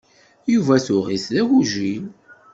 Yuba tuɣ-it d agujil.